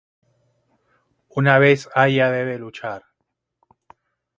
Una vez más Aya debe luchar.